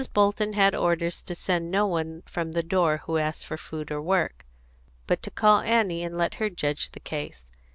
Bolton had orders to send no one from the door who asked for food or work, but to call Annie and let her judge the case.